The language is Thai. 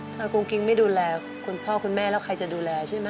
ถ้ากุ้งกิ๊งไม่ดูแลคุณพ่อคุณแม่แล้วใครจะดูแลใช่ไหม